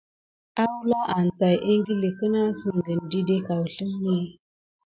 Awula an tät ikili kena sikina didé kaouzeni.